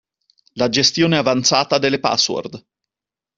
La gestione avanzata delle password.